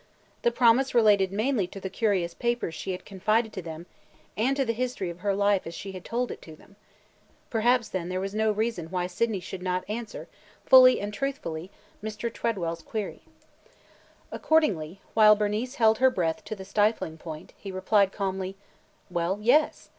The promise related mainly to the curious papers she had confided to them and to the history of her life as she had told it to them. Perhaps then there was no reason why Sydney should not answer, fully and truthfully, Mr. Tredwell's query. Accordingly, while Bernice held her breath to the stifling point, he replied calmly: "Well, yes.